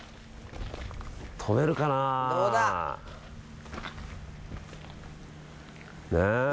止めるかな？ねぇ。